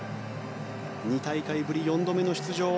２大会ぶり４度目の出場。